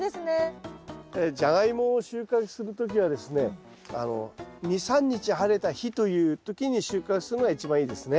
ジャガイモを収穫する時はですね２３日晴れた日という時に収穫するのが一番いいですね。